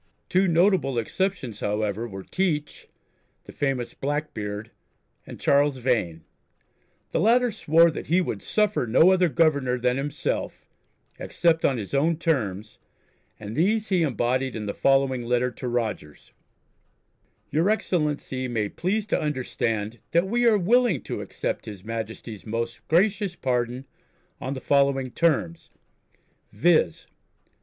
Two notable exceptions, however, were Teach, the famous "Blackbeard," and Charles Vane. The latter swore that "he would suffer no other governor than himself" except on his own terms, and these he embodied in the following letter to Rogers: "Your excellency may please to understand that we are willing to accept His Majesty's most gracious pardon on the following terms, viz.